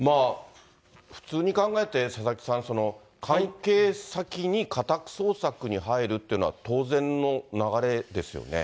普通に考えて、佐々木さん、その関係先に家宅捜索に入るっていうのは当然の流れですよね。